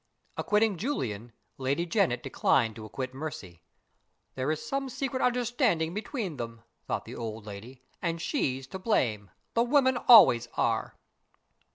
Acquitting Julian, Lady Janet declined to acquit Mercy. "There is some secret understanding between them," thought the old lady, "and she's to blame; the women always are!"